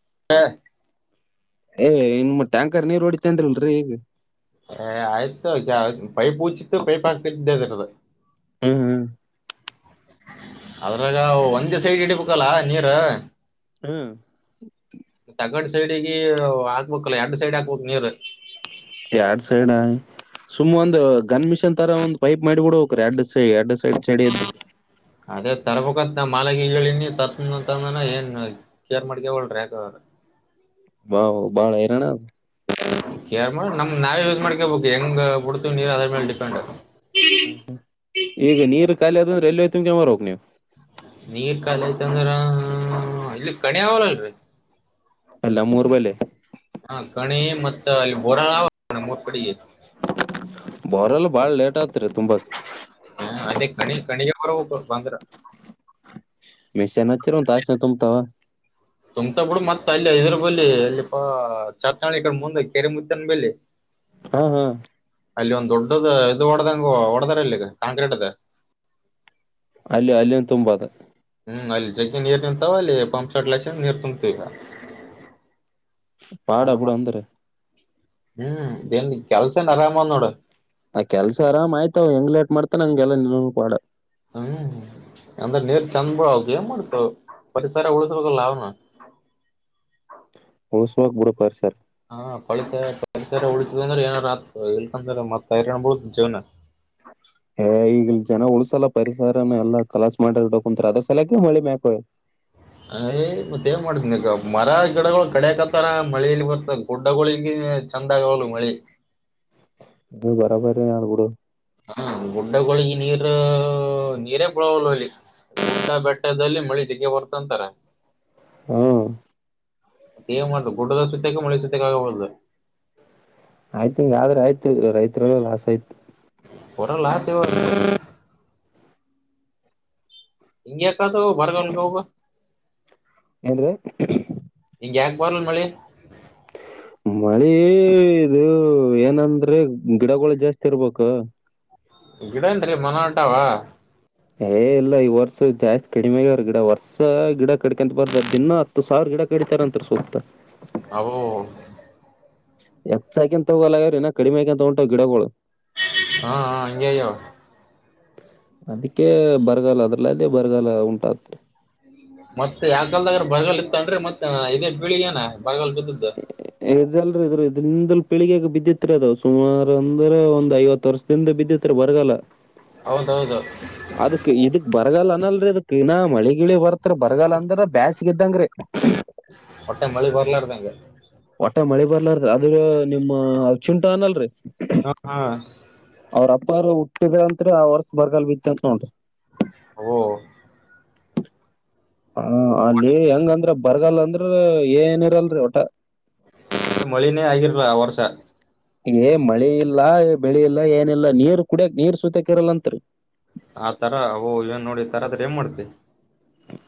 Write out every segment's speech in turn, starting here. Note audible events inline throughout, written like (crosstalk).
(unintelligible) ಏ್ ಇನ್ ಟ್ಯಾಂಕರ್ ನೀರ್ ಹೊಓಡಿತ ಅಂದ್ರಿಲ್ರರಿ ಹ ಆಯ್ತು ಪೈಪ್ ಉಚಿತ್ತುು ಪೈಪ್ ಹಾಕಿದ್ದರದ ಹ್ಮ್ ಹ್ಮ್ ಅದ್ರಾಗ ಒಂದೇ ಸೈಡ್ ಇಡಿಬೇಕಲ್ಲ ನೀರ್ ಹ್ಮ್ ಹಾಕದೆ ಸೈಡ್ಕೀ ಹಾಕ್ಬೇಕಕ್ಲ್ಲ ಎರಡು ಸೈಡ್ ಹಾಕ್ಬೇಕಕ್ ನೀರ್ ಸುಮ್ಮ್ ಒಂದ ಗನ್ ಮಿಷನ್ ತರಾ ಒಂದು ಪೈಪ್ ಮಾಡಿಬಿಡ್ ಹಕ್ರ ಎಡ್ ಎಡ್ ಸೈಡ್ ಸಡಿದ್ದು ಅದೇ ತರ್ಬೇಕತ್ ಮಾಲಗಿ ಹೇಳಿನಿ ತತ್ ಅಂತಂದನ ಏನ್ ಕೇರ್ ಮಾಡ್ಕ ಯಾಕೋ (inaudible) ಬಬಾವು ಬಾಳರಾನದು ಕೇರ್ ಮಾಡಿ ನಮ್ ನಾವೇ ಯೂಸ್ ಮಾಡ್ಕೊಬಬೇಕು ಹೆಂಗ್ ಬಿಡ್ತೀವಿ ನೀರ್ ಅದ್ರ ಮೇಲೆ ಡಿಪೆಂಡ್ ಹ್ಮ ಈಗ ನೀರ್ ಖಾಲಿ ಅದಂದ್ರೆ ಎಲ್ವೆ ತುಂಬ ಚಮಾರ ಹೋಗ ನೀವು ನೀಗ ಕಾಲಯ್ತಂದ್ರ ಇಲ್ಲಿ ಕಣಿ ಅವಲ್ಲಲ್ರಿ ಅಲ್ಲ ನಮ್ಮೂರ್ ಬಲ್ಲಿ ಹಾ ಕೆನ್ ಮತ್ತು ಅಲ್ಲಿ ಬರಾಳ ನಮ್ಮ ಊರು ಕಡೆ ಭರಲು ಬಾಳ್ ಲೇಟಾ ಹ ಅದೇ ಕಣಿ ಖಣಿಜ ಬರ ಬಂದ್ರ ಮಷೆನ್ನಚಿರೋಂತಷ್ಟನೆ ತುಂಬ ತ ತುಮ್ತಾ ಬಿಡು ಮತ್ತತ್ ಅಲ್ಲಿ ಇದದ್ರ ಬಲ್ಲಿಿ ಇಲ್ಲಿ ಪ ಚಾರ್ ಚಿ ಕಡೆ ಮುಂದೆ ಕೆರೆ ಮು್ದನ್ ಬಿ ಹಾ ಹಾ ಅಲ್ಲಿ ಒಂದ್ ದೊಡ್ಡದ ಇದು ಹೊಡ್ದಂಗ ಹೊಡದಾರ ಇಲ್ಲಿಗೆ ಕಾಂಕ್ರೀಟ್ ಅದೆ ಅಲ್ಲಿ ಅಲ್ಲಿಂದ ತುಂಬ ಅದ ಹ್ಮ್ ಅಲ್ಲಿ ಜಗ್ಗಿ ನೀರ್ ನಿಂತಾವ ಅಲ್ಲಿ ಪಂಪ್ ಸಡ್ ಲಕ್ಷ ನೀರ್ ತುಂಬತ ಈಗ ಪಡ ಬೇಡು ಅಂದರೆ ಹ್ಮ್ ಏನು ಕೆಲಸ ಆರಾಮಂದೋಡ ಆ ಕೆಲ್ಸ ಆರಾಮ್ ಆಯ್ತಾವ ಹೆಂಗ್ ಲೇಟ್ ಮಾಡ್ತ ನಂಗೆಲ್ಲ ಪಡ ಹ್ಮ್ ಅಂದ್ರ ನೀರು ಚೆಂದ ಆದು ಏ ಮಾಡ್ತಾವ ಪರಿಸಲ ಹೊಳೆಸೆಳಗ ಯಾವನು ಹೌಸ್ ವರ್ಕ್ ಬೇಡು ಪರಿಸರ ಹಾ ಪಳ ಪಾಳೇಸರ ಉಳಸಿದ ಅಂದ್ರೆ ಏನತ್ ಇಕಂದ್ರ ಮತ್ತತ್ ಹೈರಾಣ್ ಬಳುದ ಜೀವನ ಹಾ ಈಗ ಜನ ಉಳಸಲ ಪರಿಸರ ಎಲ್ಲಾ ಕಲಸ ಮಾಡಡ ಕುಂತ್ ಅದ್ರ ಸಲಕ ಮಳಿ ಮ್ಯಾಕ ಅಯ್ ಮತ್ತೇಏನ್ ಮಾಡ್ತನ ಮರ ಗಿಡಗಳು ಕಡಕತ್ತಾರ ಮಳಲಿ ಬರ್ತ ಗುಡ್ಡಗಳಗಳು ಹ ಚಂದಾಗ ಹಳ ಮಳಿ ಅದು ಬರಬರ ಕೂಡ ಹ ಗುಡ್ಡಗಳಿಗೆ ನೀರ ನೀರೇ ಪಳಾವಲ್ಲ ಅಲ್ಲಿ ಬೆಟ್ಟ ಬೆಟ್ಟದಲ್ಲಿ ಮಳಜಕ್ಕೆ ಬರ್ತಂತಾರೆ ಹ್ಮ ದೇವ ಮಾಡು ಗಡುದ ಸತೆಕ ಮೊಳೆ ಸುತೆಕಾಗಬುದು ಆಯ್ತು ಹಿಂಗ ಆದ್ರೆ ಆಯ್ತು ರೈತ್ರರಲ್ಲ ಲಾಸ್ ಆಯ್ತು ಒಡ ಲಾಸ್ ಇವತ್ತು ಹಿಂಗಗೆಕದು ಬರ್ಗನ್ಗ ಹಬ ಏನ್ರಿ ಬರನ್ ಮಳಿ ಮಳೆ ಇದು ಏನಂದ್ರೆ ಗಿಡಗಳು ಜಾಸ್ತಿ ಇರ್ಬೇಕು ಗಿಡೇನ್ರಿ ಮನ ಆಂಟಾವ ಏ ಇಲ್ಲ ಈ ವರ್ಷ ಜಾಸ್ತಿ ಕಡಿಮೆಗ್ರ ಗಿಡ ವರ್ಷ ಗಿಡ ಕಟ್ಕಂತ ಬರ್ತ ದಿನ ಹತ್ತು ಸಾವಿರ ಗಿಡ ಕ ನಂತ ಸೋತ ಅವು ಎಚ್ಚ ಹಾಕಿನ್ ತಗೋರೀ ನ ಕಡಿಮೆ ಆಕಂತ ತಗಂಟಾವ ಗಿಡಗಳು ಹಾ ಹಾ ಹಂಗೆೋ ಅದಕ್ಕೆ ಬರಗಾಲ ಅದ್ರಲ್ಲ ಅದೇ ಬರಗಾಲ ಉಂಟತ್ರಿ ಮತ್ತೆ ಯಾ ಕಲ್ದಾಗ್ರ ಬರಗಲ್ ಇತ್ತ ಅಂದ್ರೆ ಮತ್ತೆ ಇದೇ ಬಿಳಿ ಏನ ಇದೆಲ್ ಇದ್ರ ಇದರಿ ಬೆಳಗ್ಗೆಗೆ ಬಿದ್ದಿತ್ ಅದಾವ ಸುಮಾರು ಅಂದ್ರೆ ಒಂದ್ ಐವತ್ತು ವರ್ಷದಿಂದ ಬಿದ್ದಿತ್ರಿ ಬರಗಲ್ಲ ಹೌದೌದು ಅದುಕ್ಕೆ ಇದುಕ್ ಬರಗಾಲನಾ ನ ಮಳಿ ಗಿ ಬರ್ತ ಬರಗಲ್ಲ ಅಂದ್ರ ಬ್ಯಸ್ ಹೊಟ್ಟೆ ಮಳಿ ಬರ್ಲಾಡ್ಗೆ ಒಟ್ಟ ಮಳಿ ಬರ್ಲಾರ ಅದ್ರ ನಿಮ್ಮ ಅ ಚುಂಟಾ ಅನಲ್ರಿ ಹಾ ಹಾ ಅವ್ರ ಅಪ್ಪಾರರು ಹುಟ್ಟಿದ ಅಂ ಆ ವರ್ಷ ಬರ್ಗಲ್ ಬಿತ್ತ ಅಂತ ನಂಟ್ರಿ ಹ ಹ ಅಲ್ಲಿ ಹೆಂಗಂದ್ರ ಬರ್ಗಲ್ಲ ಅಂದ್ರ ಏನಿರಲ್ರಿ ಒಊಟ ಮಳಿನೇ ಆಗಿರ್ಲ ಆ ವರ್ಷ ಏ ಮಳೆ ಇಲ್ಲ ಬೆಳಿ ಇಲ್ಲ ಏನಿಲ್ಲ ನೀರ್ ಕುಡಿಯಕ್ ನೀರ್ ಸೂತಕ್ ಇರಲ್ಲತ್ರಿ ಆ ತರ ಓ ಏನ್ ನೋಡಿ ತರದ್ರ ಏನ್ ಮಾಡ್ದ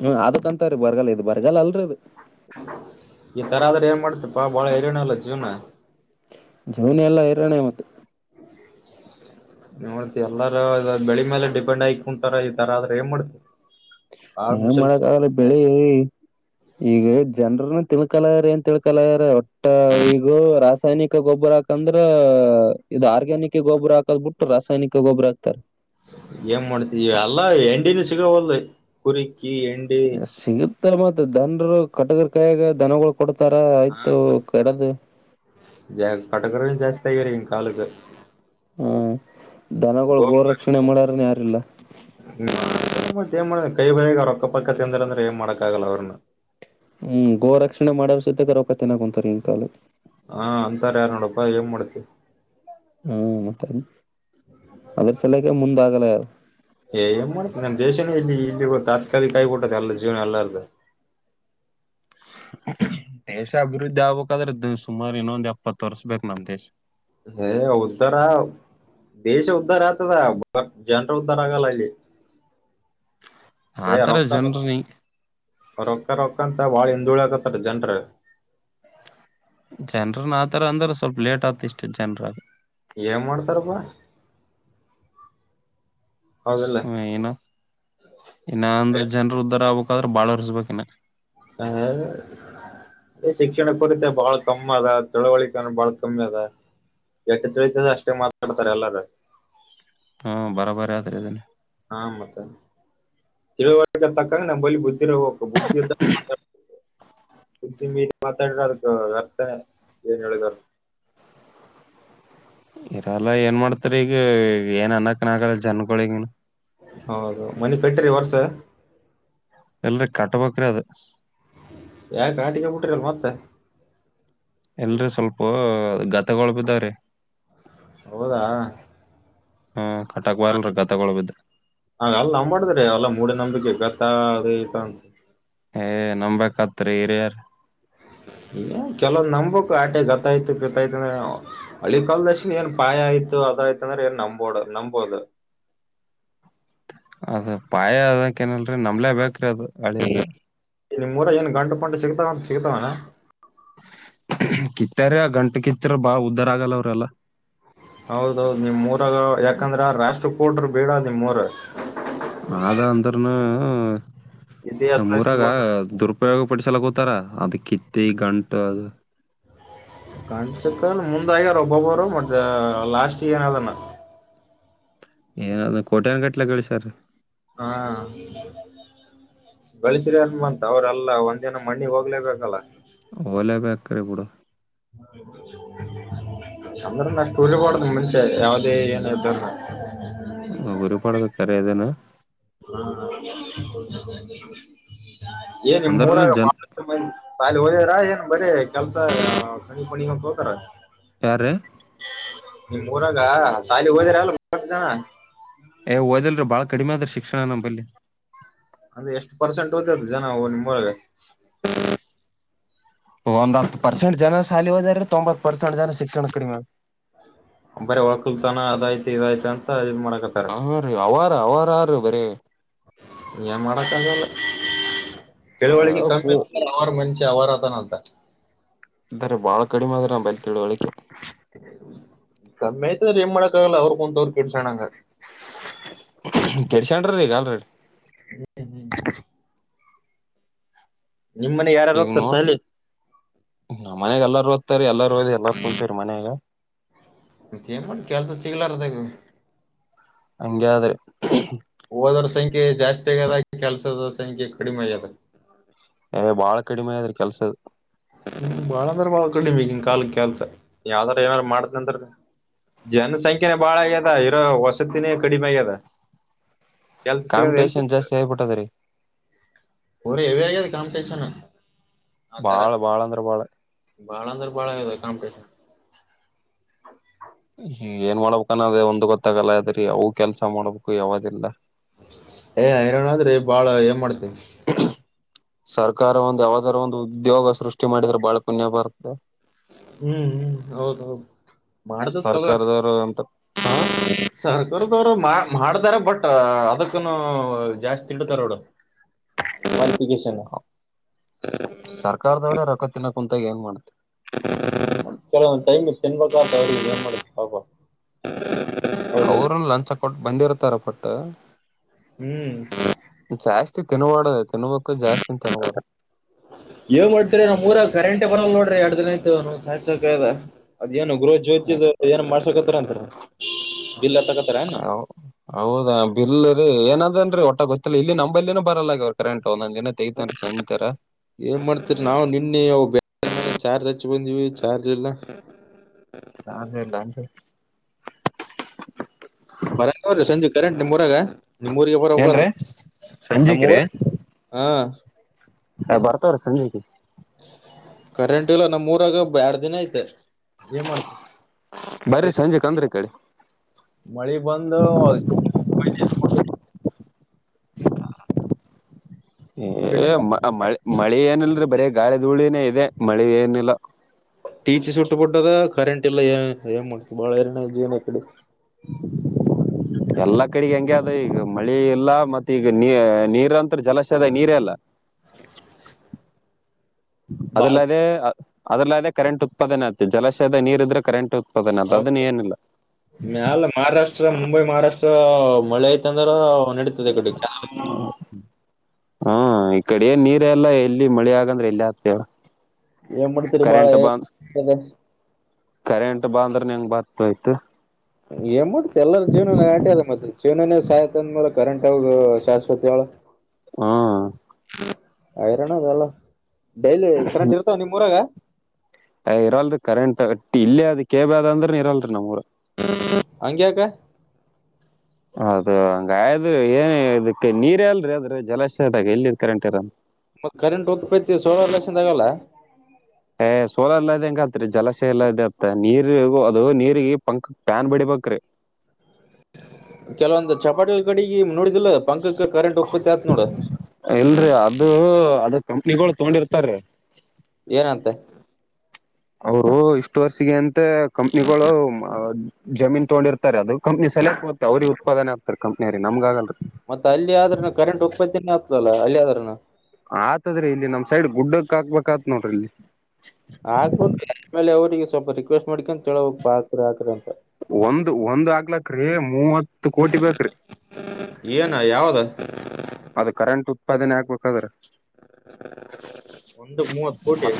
ಹ್ಮ್ ಅದಕ್ಕಂತೀ ಬರಗಾಲ ಇದು ಬರಗಾ ಅಲ್ರರಿ ಅದು ಈ ತರ ಆದ್ರ ಏನ್ ಮಾಡ್ತಿಪ್ಪಾ ಬಾಳ ಏರಿಯನ ಇಲ್ಲ ಜೀವ್ನ ಜೋನಿ ಎಲ್ಲ ಇರೋಣೆ ಮತ್ ನೋಡ್ತಿ ಎಲ್ಲಾರ ಬೆಳಿ ಮೇಲೆ ಡಿಪೆಂಡ್ ಆಗ ಕುಂತಾರ ಈ ತರ ಆದ್ರೆ ಏನ್ ಮಾಡ್ತಿ ಬಾಳ ಏನ್ ಮುಸಲ್ ಮಾಡಕ್ ಆಗಲ್ಲ ಬೆಳಿ ಈಗ ಜನ್ರನ ತಿಳ್ಕಲ್ರ ಏನ್ ತಿಳ್ಕಲಯ್ರ ಒಟ್ಟ ಈಗ ರಾಸಾಯನಿಕ ಗೊಬ್ಬರ ಹಾಕಂದ್ರ ಇದು ಆರ್ಗ್ಯಾನಿಕ್ ಗೊಬ್ರ ಹಾಕದ್ಬ ಬಿಟ್ಟು ರಾಸಾಯನಿಕ ಗೊಬ್ಬರ ಹಾಕ್ತಾರೆ ಏನ್ ಮಾಡ್ತ ಅಲ್ಲಾ ಎಂಡಿನ ಸಿಗವಲ್ ಕುರಿಕಿ ಎಂಡಿ ಸಿಗುತ್ತ ಮತ್ ದನ್ರು ಕಟ್ಟಗರ್ ಕಾಯಾಗ ದನಗಳ ಕೊಡ್ತಾರ ಹಾ ಆಯ್ತು ಮತ್ ಕೆಡದು ತವರವಿನ ಕಲುಗೆ ಹಾ ದನಗಳು ಗೋ ರಕ್ಷಣೆ ಮಾಡಾರನ ಯಾರಿಲ್ಲ ನ ಮಾಡ ಕೈ ಬಗ ಅವ ರೊಕ್ಕಪಕ್ಕ ತಿಂದಾರ ಅಂದ್ರೆ ಏನ್ ಮಾಡಕ್ ಆಗಲ್ಲ ಅವ್ರನ್ನ ಹ್ಮ್ ಗೋ ರಕ್ಷಣೆ ಮಾಡೋ ಸತೆ ಗ ರಕತನ್ ಕುಂಂತರಿ ಈನ್ ಕಾಲ ಹಾ ಅಂತಾರ ಯಾರ ನೋಡಪ್ಪಾ ಏನ್ ಮಾಡ್ತಿವಿ ಹ್ಮ್ ಮತ್ತ ಅದ್ರ ಸಲಯಗೆ ಮುಂದ ಆಗಲ ಏ ಏ್ ಮಾಡ್ ನಮ್ಮ ದೇಶನೇ ಇಲ್ಲಿ ಇಲ್ಲಿ ತಾತ್ಕಾಲಿಕ ಕಾಯಿ ಕೊಟ್ಟತಿ ಎಲ್ಲ ಜೀವನ ಎಲ್ಲಾದ್ರೂ (inaudible) ದೇಶ ಅಭಿವೃದ್ಧಿ ಆಗ್ಬೇಕಾದ್ರೆ ಸುಮಾರು ಇನ್ನೊಂದು ಎಪ್ಪತ್ತು ವರ್ಷ ಬೇಕ್ ನಮ್ ದೇಶ ಹೇ ಉಧಾರ ದೇಶ ಉದ್ಧಾರ ಆಗ್ತದಾ ಜನರು ಉದ್ಧಾರ ಆಗಲ್ಲ ಇಲ್ಲಿ ಭೈಯ ಆತರ ರಕ್ತ ಜನ್ರನ ರ ರಕ್ತ ರತ ವಾಳ ಹ ೂಳ ಆಕತ್ತಾರ ಜನ್ರ ಜನರು ಆತರ ಅಂದ್ರ ಸ್ವಲ್ಪ ಲೇಟ್ ಆಗ್ತಿ ಇಷ್ಟ ಜನರು ಏನ್ ಮಾಡ್ತಾರಪ್ಪ ಸ್ಮ ಏನ ಇನ್ನ ಅಂದ್ರೆ ಅದೇ ಜನರು ಉಧಾರ ಆಗ್ಬೇಕು ್ರ ಬಾಳ ಇರ್್ಬೇಕು ಇನ್ನ ಹ ಅ ಶಿಕ್ಷಣ ಕೊಡಿದ್ದೆ ಬಹಳ ಕಮ್ಮಿ ಅದ ತಿಳವಳಿಕನ ಬಾಳ ಕಮ್ಮಿ ಅದ ಎಟ್ಟು ತಿಳತ ಅಷ್ಟೇ ಮಾತಾಡ್ತಾರೆ ಎಲ್ಲಾರ ಹ್ಮ ಬರಬರ ಯತ್ ರದನೆ ಹಾ ಮತ್ತ ತಿಳುವರ್ ತಕ್ಕಂಗ ನಮಲಿ ಬುದ್ಧಿ ಬುದ್ಧಿ ಇರ್ಬೆಕು ಸುದ್ದಿ ಮೀ ಮಾತಾಡ ಅದಕ್ಕೆ ವ್ಯರ್ಥ ಏನುಳಗ ಇರಲ್ಲ ಏನ್ ಮಾಡ್ತಾರ ಈಗ ಏನ್ ಅನ್ನಕ್ಕನ್ ಆಗಲ್ಲ ಜನ್ಗಳಿಗ ಹೌದು ಮನೆಿ ಕಟ್ಟ್ರಿ ವರ್ಸ ಇಲ್ಲ ಕಟ್ಟ ಕಟ್ಬೆಕ್ರಿ ಅಧು ಯಾಕ ಆಟಿಕ ಬಿಟಿಲ್ ಮತ್ತೆ ಎಲ್ರಿ ಸ್ವಲ್ಪ ಗ ತಗೊಳ್ ಬಿದ್ದ್ರ ಹೌದಾ ಹಾ ಕಟ್ಟಕ್ ಬರಲ್ರಿ ಗತಗಳು ಬಿದ್ದ ಹಾಗ ಅಲ್ಲ ನ ಮಾಡ್ದ್ರ ಅಲ್ಲ ಮೂಡ ನಮ ಗತ್ತದ ತ ಏ ನಂಬಂಬಕತ್ರಿ ಇರ್ಯಾರ ಕೆಲವಂದ್ ನಂಬಕ್ು ಆಟೆ ಗತ್ತಾಯ್ತು ಗತ್ತಾಯ್ತ ಹಳಿ ಕಾಲದಶನ್ ಏನ್ ಪಾಯ ಆಯ್ತು ಅದಾಯಯ್ತ ಅಂದ್ರೆ ಏನ್ ನಬೋದು ನಂಬಂಬೋದು ಅದ ಪಾಯ ಅದಕ್ಕ ಏನಲ್ರರಿ ನಂಬಲೇ ಬೇಕ್ರಿ ಅದು ಹಳೆಯದು ನಿಮ್ ಮೂರ ಏನ್ ಗಂಟು ಪಂಟೆ ಸಿಗ್ತಾವ ಅಂತ ಸಿಗ್ತಾವನ ಕಿತ್ತಾರ ಗಂಟು ಕಿತ್ತ್ ಬಾ ಉದ್ದಾರ ಆಗಲ್ಲ ಅವ್ರೆಲ್ಲಾ ಹೌದೌದು ನಿಮ್ೂರಾಗ ಯಾಕಂದ್ರ ಆ ರಾಷ್ಟ್ರಕೋಟ್ರ ಬೇಡ ನಿಮರು ಆದದ ಅಂದರ್ನು ಇತಿಹಾಸದಾಗ ನಮ್ಮ್ೂಊರಾಗ ಬಂದ ದುರುಪಯೋಗ ಪಡಿಸಲ ಕೂತಾರ ಅದಕ್ಕೆ ಕತ್ತ ಗಂಟ ಅದು ಹ ಕಾಣ್ಸಕ ಮುಂದಾಗ್ಯಾರ ಒಬ್ಬೊಬ್ಬರು ಮತ್ತ ಲಾಸ್ಟ್ ಏನದನ ಏನಾದ ಕೋಟಿಯನ್ ಕಟ್ಲೆ ಕಲಿಸಿಯಾರ್ ಹಾ ಳಸ್ರಿ ಅನ್ಮಂತ ಅವ್ರಲ್ಲ ಒಂದ್ ದಿನ ಮಣ್ಣಿ ಹೋಗ್ಲೇಬೇಕಲ್ಲ ಓಲ ಬೇಕರೆ ಕೂಡ ಹ ಅಂದ್ರ ಅಷ್ಟು ಉರಿಬಡದುಮ ಮುಂಚೆ ಯಾವದೇ ಏನ್ ಹತಾರ ್ಪಾಡದು ಕರೆದೇನೆ ಹಾ ಹಾೌದ ಏನ್ ನಿಮ್ ಮೂರ ಅಂದ್ರನು ಜನ್ ಸಾಯಾಲ ಹೋದಾರ ಏನ್ ಬರ ಕೆಲ್ಸ ಕಿ ಪಣಿಂತತ್ ಹೋತಾರ ಯಾರ್ - ನಿಮ್ ಊರಾಗ ಸಾಲಿಗ್ ಹೋದಿರಲ್ಲಾ (unintelligible) ಜನ ಎ ಒದಿಲ್ರಿ ಬಾಳಿ ಕಡಿಮೆ ಆದಿ ಶಿ ಅಂದ್ರೆ ಎಷ್ಟು ಪರ್ಸೆಂಟ್ ಓದೂರ್ ಜನ ನಿಮ್ಮೊರಗೆ. (inaudible) ಒಂದ್ ಹತ್ತು ಪರ್ಸೆಂಟ್ ಜನ ಶಾಲಿ ಹೋದರಿ ತೊಂಬತ್ ಪರ್ಸೆಂಟ್ ಜನ ಶಿಕ್ಷಣ ಕ ಮೇಡಿಮ್ ಬರೆ ವಕ್ಲುತನ ಆದಯಾತ್ ಇದಾಯತ್ ಅಂತ ಮಾಡಕತ್ತಾರ ಹ ರೀ ಅವಾರ ಅವರಾರು ಬರೀ. ಏನ್ ಮಾಡಕ್ ಅಗಲ್ಲ ತಿಳುವಳಿಗೆ ಕಮ್ಮಿ ಕೂ ಇತ್ತು ಮಷ (unintelligible) (unintelligible) ಇದಾರೆ ಬಾಳ ಕಡಿಮೆ ಅದ್ರು (unintelligible) (unintelligible) ಅವ್ರು ಕೊಂತ (unintelligible) ಕೆಡ್ಸ್ಕಂಡ್ರಿ ಇಗ್ ಅಲ್ರೆಡಿ. (unintelligible) ನಿಮ್ ಮನೆ ಯಾರ್ಯಾರು ಈಗ ಹೋಗ್ತಾರ ನೋಡ್ ಸಾಲಿ ನಮ್ಮನೆಯಾಗ್ ಎಲ್ಲಾರು ಓದ್ತಾರೀ ಎಲ್ಲಾರು ಓದಿ ಎಲ್ಲಾರೂ ಕುೂಂತವ್ರೀ ಮನೆಗೆ. ಮತ್ ಏನ್ ಮಾಡ್ ಕೆಲ್ಸ ಸಿಗ್ಲಾರ್ದಗೆ. ಹಂಗ್ಯಾದ್ರೆ ಓದರ್ ಸಂಖ್ಯೆ ಜಾಸ್ತಿ ಆಗ್ಯದ ಕೆಲ್ಸ ದೂರ್ ಸಂಖ್ಯೆ ಕಡಿಮೆ ಆಗ್ಯದ ಬಾಳ ಕಡಿಮೆ ಆಗದ್ರಿ ಕೆಲ್ಸ ಹ್ಮ ಬಾಳಂದ್ರ ಬಾಳ ಕಡ್ಮಿ ಇಗಿನ್ ಕಾಲ್ದ್ ಕೆಲ್ಸ ಯಾವ್ದಾರ ಏನಾದಾರು ಮಾಡ್ಕಂಡ್ರೆ. ಜನಸಂಖ್ಯನೆ ಬಾಳ ಆಗ್ಯದ ಇರೋ ವಸತಿನೇ ಕಡಿಮೆ ಆಗ್ಯದ. ಕೆಲ್ಸ ಸಿಗಲ್ಲ ಎಲ್ ಕಾಂಪಿಟೇಷನ್ ಸಿಗ್ ಜಾಸ್ತಿ ಆಗ್ಬಿಟ್ಟದ್ರಿ ಬರಿ ಇವೆ ಆಗ್ಯದ್ ಕಾಂಪಿಟೇಷನ್. ಆತರ ಬಾಳ ಬಾಳ ಅಂದ್ರ ಬಾಳ ಬಾಳ ಅಂದ್ರೆ ಬಾಳ ಇದೆ ಕಾಂಪಿಟಷನ್ ಏನ್ ಮಾಡ್ಬೇಕು ಅನ್ನದೆ ಒಂದ್ ಗೊತ್ತಾಗಲ್ಲ ಅದ್ರೀ ಅವು ಕೆಲ್ಸ ಮಾಡ್ಬೇಕು ಯಾವ್ದಿಲ್ಲ. ಏ ಇರೋನ ಅಂದ್ರೆ ಈ ಬಾಳು ಏನ್ ಮಾಡ್ತೀ. ಸರ್ಕಾರ ಒಂದು ಯಾವದಾರೂ ಒಂದು ಉದ್ಯೋಗ ಸೃಷ್ಟಿ ಮಾಡಿದ್ರೆ ಬಾಳ ಪುಣ್ಯ ಬರುತ್ತೆ. ಹ್ಮ್ ಹ್ಮ್ ಹೌದೌದು ಮಾಡ್ದ ತಗೊ ಸರ್ಕಾರದವರು ಅಂತ ಹ ಸರ್ಕಾರದವ್ರು ಮಾ ಮಾಡ್ದಾರೆ ಬಟ್ ಅದಕ್ಕನು ಜಾಸ್ತಿ ತಿಂಡ್ತಾರೋಡು. (unintelligible) ಸರ್ಕಾರದವ್ರೇ ರೊಕ್ಕ ತಿನ್ನಕ್ ಕುಂತಾಗ ಏನ್ ಮಾಡ್ - - ಕೆಲವೊಂದು ಟೈಮ (unintelligible) (inaudible) ಅವ್ರು ಲಂಚ ಕೊಟ್ ಬಂದಿರ್ತಾರೆ ಬಟ್ ಹ್ಮ್ ತಿನವಡ ಏನ್ ಮಾಡ್ತೀರ ನಮ್ ಊರಗ್ ಕರೆಂಟ್ ಬರಲ್ಲ ನೋಡ್ ಎರಡು ದಿನ (unintelligible) ಅದ್ ಏನು ಗೃಹ ಜ್ಯೋತಿ ಏನ್ ಮಾಡ್ಸಕತ್ತರಂ (unintelligible) ಹೌ ಹೌದಾ ಬಿಲ್ಲುರಿ ಏನದೇನ್ರಿ ಒಟ್ ಗೊತ್ತಿಲ್ಲ ಇಲ್ಲಿ ನಂಬಲ್ಲಿನೂ ಬರಲ್ಲ ಕರೆಂಟ್. ಒಂದೊಂದ್ ದಿನ ತೆಗತನ್ರಿ ಸಂತರ ಏನ್ ಮಾಡ್ತೀರ್ ನಾವ್ ನಿನ್ನಿ (unintelligible) ಹಚ್ ಬಂದಿವಿ ಚಾರ್ಜ್ ಇಲ್ಲ. (unintelligible) ಇಲ್ಲ ಅಂದ್ರೆ ಬರೋ (unintelligible) ಸಂಜೆ ಕರೆಂಟ್ ನಿಮ್ ಊರಾಗ. ಏನ್ರಿ ನಮ್ಮೂರ ಸಂಜಿಕ್ರಿ ಹಾ ಹ ಬರ್ತವ್ರಿ ಸಂಜಿಗೆ. ಕರೆಂಟ್ ಇಲ್ಲ ನಮ್ ಮೂರಾಗ ಬ ಎರಡ್ ದಿನ ಐತ್ - ಬರೀ ಸಂಜೆ (unintelligible) ಮಳಿ ಬಂದುಷ ಹ ಏ ಮಳೆ ಮಳೆ ಏನಲ್ರಿ ಬರೀ ಗಾಳಿ ಧೂಳಿನೇ ಇದೆ ಮಳೆ ಏನಿಲ್ಲ ಟೀಚಿ ಸುಟ್ಟು ಪುಟ್ಟದ ಕರೆಂಟ್ ಇಲ್ಲ ಏನ್ ಮಾಡ್ತ ಬಾಳ ಏರಿನ ಜೀವನ ಕಡೆ ಎಲ್ಲಾ ಕಡೆಗೆ ಹಂಗೆ ಆದ ಈಗ ಮಳಿ ಇಲ್ಲ ಮತ್ತೆ ಈಗ ನೀ ನೀರಂತತ್ರ ಜಲಾಶಯದ ನೀರ ಎಲ್ಲ ಹ ಅದ್ರಲ್ಲ ಅದೆ ಅ ಅದ್ರಲ್ಲ ಅದೆ ಕರೆಂಟ್ ಉತ್ಪಾದನೆ ಆು ಜಲಾಶಯದ ನೀರ್ ಇದ್ರೆ ಕರೆಂಟ್ ಉತ್ ಹೌದ ಮಲ್ಲ ಮಹಾರಾಷ್ಟ್ರ ಮುಂಬೈ ಮಹಾರಾಷ್ಟ್ರ ಮಳೆ ಆಐ್ತ ಅಂದ್ರ ನಡೀತದೆ ಕಟ್ಟ ಹಾ ಈ ಕಡೆ ಏನ್ ನೀರ ಎಲ್ಲ ಎಲ್ಲಿ ಮಳೆ ಆಗಂದ್ರೆ ಎಲ್ಲಿ ಆಗ್ತೇವ ಏನ್ ಮಾಡ್ತೀರಿ ಬಾಳ ಕಂಟ್ ಬಂದ ಕಂಟ್ ಬಂದ ಹೆಂಗ್ ಬಾತ್ ಆಯ್ತ ಏನ್ ಮಾಡತ ಎಲ್ಲಾರ ಜೀವನ ನಾಟ್ಯ ಅದ ಮತ್ತೆ ಜೀವನೇ ಸಾಯ್ತ್ ಅಂದ್ಮೇಲೆ ಕರೆಂಟ್ ಶಾಶ್ವತ ಅವಳ ಹ್ಮ ಐರನ್ ಅದಲ್ಲ ಡೈಲಿ ಕರೆಂಟ್ ಇರ್ತಾವ ನಿಮ್ ಮೂರಾಗ ಇರಲ್ರಿ ಕರೆಂಟ್ ಇಲ್ಲೇ ಅದ ಕೇಬ ಅಂದ್ರೆ ಇರಲ್ಲರಿ ನಮ್ಮೂರ ಹಂಗಕ ಅೌದು ಹಂಗ್ರ ಏನ್ ಇದಕ್ಕೆ ನೀರ್ ಎಲ್ರರಿ ಅದ್ರೆ ಜಲಾಶಯ ಆದದಾಗ ಎಲ್ಲಿ ಕರೆಂಟ್ ಇರ ಮ ಕರೆಂಟ್ ಉತ್ಪೈತಿ ಸೋಲಾರು ಲಕ್ಷದ ಆಗಲ್ಲ ಏ್ ಸೋಲರ್ ಎಲ್ಲ ಇ ಹೆಂಗ ಆತ್ರಿ ಜಲಾಯ ಎಲ್ಲ ಇ ಅತ್ತ ನೀರ್ ಅದು ನೀ ಪಂಕ್ ಪ್ಯಾನ್ ಬಿಡಿಬ ಹಕ್ರೆ ಕೆಲವೊಂದು ಚಪಾತಿಲ್ ಕಡೆಗೆ ನೋಡಿ ಪಂಕಕ್ಕೆ ಕರೆಂಟ್ ಒೋಗತ್ತ ಆತ್ ನೋಡ ಇಲ್ರಿ ಅದು (unintelligible) ಅದು ಕಂಪ್ನಿಗಳು ತಗೊಂಡಿರ್ತಾರ ಏನಂತೆ ಅವ ಇಷ್ಟ ವರ್ಷಿಗೆ ಅಂತ ಕಂಪ್ನಿಗಳು ಜಮೀನ್ ತಗೊಂಡಿರ್ಾರೆ ಅದುಂಪ್ನ ಸಲೆಕ್ಟ್ ಮತ್ತ ಅವ್ರಿಗೆ ಉತ್ಪಾದನೆ ಆಗ್ತ ಕಂನಿಯರಿ ನಮಗ ಆಗಲ್ರಿ ಮತ್ತತ್ ಅಲ್ಲಿ ಆದ್ರೂನು ಕರೆಂಟ್ ಉತ್ಪತ್ತಿಿನ ಆಗ್ತದಲ್ಲಾ ಅಲ್ಲಿ ಆದ್ರೂನು ಆತದ್ರಿ ಇಲ್ಲಿ ನಮ್ ಸೈಡ್ ಗುಡ್ಡಕ್ ಹಾಕ್ಬೇಕ ಆತ್ ನೋಡ್ರಿ ಇಲ್ಲಿ ಹಾಕ್ಬಬೇಕು ಆಮೇಲೆ ಅವ್ರರಿಗೆ ಸ್ವಲ್ಪ ರಿಕ್ವೆಸ್ಟ್ ಮಾಡ್ಕೊಂತ ತಿ ಹೋಗಕ್ಾಕ್ರ ಹಾಕ್ರ ಅಂತ ಒಂದು ಒಂದ್ ಆಗ್ಲಕ್್ರೀ ಮೂವತ್ತು ಕೋಟಿ ಬೇಕ್ರಿ ಯಾವದಾ ಪದನೇ ಆಗ್ಬೇಕಾದ್ರೆ ಒಂದು ಮೂವತ್ತು ಕೋಟಿ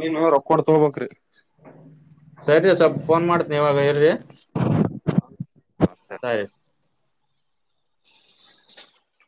ನೀನು ರೊಕ್ಕ ಕೊಡ್ ತಗೋಬಬೇಕಕ್್ರಿ ಸರಿರಿ ಸ್ವಲ್ ಫೋನ್ ಮಾಡ್ತನಿ ಇವಾಗ ಹೇಳಲ್ರಿ ಸಾಯ (unintelligible)